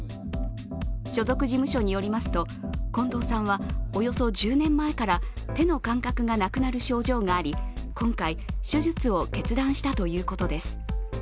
所属事務所によりますと近藤さんはおよそ１０年前から手の感覚がなくなる症状があり今回、手術を決断したということです。